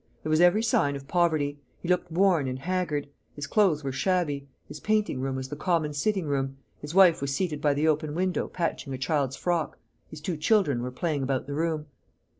There was every sign of poverty: he looked worn and haggard; his clothes were shabby; his painting room was the common sitting room; his wife was seated by the open window patching a child's frock; his two children were playing about the room."